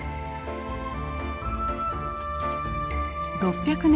６００年